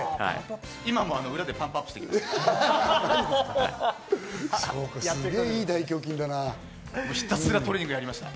今も裏でパンプアップしてきました。